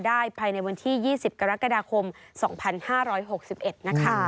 ภายในวันที่๒๐กรกฎาคม๒๕๖๑นะคะ